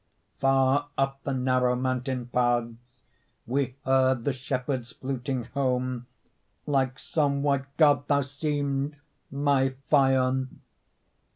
Far up the narrow mountain paths We heard the shepherds fluting home; Like some white God thou seemed, my Phaon!